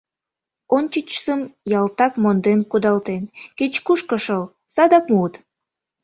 Ончычсым ялтак монден кудалтен: кеч-кушко шыл — садак муыт.